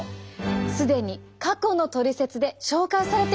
既に過去の「トリセツ」で紹介されていたんです。